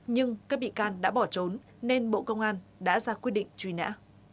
nhưng các bị can đã bỏ trốn nên bộ công an đã ra quyết định truy nã